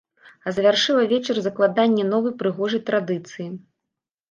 А завяршыла вечар закладанне новай прыгожай традыцыі.